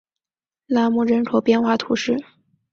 拉穆人口变化图示